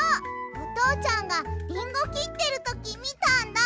おとうちゃんがリンゴきってるときみたんだ！